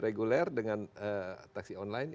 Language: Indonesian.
reguler dengan taksi online